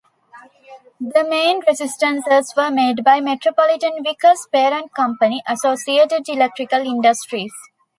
The main resistances were made by Metropolitan-Vickers' parent company, Associated Electrical Industries.